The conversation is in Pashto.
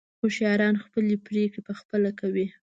هوښیاران خپلې پرېکړې په خپله کوي.